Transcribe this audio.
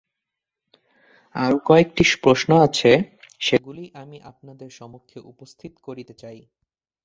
আরও কয়েকটি প্রশ্ন আছে, সেগুলি আমি আপনাদের সমক্ষে উপস্থিত করিতে চাই।